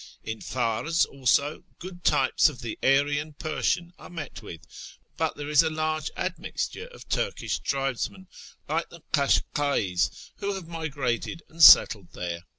In F;irs, also, good types of the Aryan Persian are met with, but there is a large admixture of Turkish tribesmen, like the Kashkai's, who have migrated and settled there.